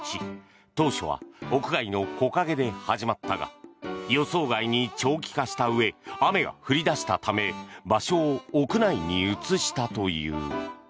当初は屋外の木陰で始まったが予想外に長期化したうえ雨が降り出したため場所を屋内に移したという。